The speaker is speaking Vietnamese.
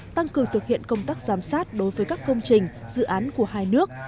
tăng cường thực hiện công tác giám sát đối với các công trình dự án của hai nước